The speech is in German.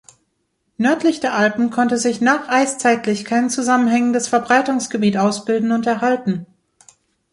Nördlich der Alpen konnte sich nacheiszeitlich kein zusammenhängendes Verbreitungsgebiet ausbilden und erhalten.